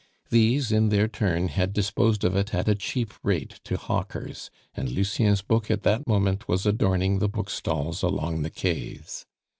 These, in their turn, had disposed of it at a cheap rate to hawkers, and Lucien's book at that moment was adorning the bookstalls along the Quays.